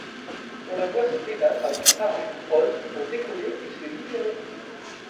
On la voit se débattre avec un parachute rose pour décoller et se libérer.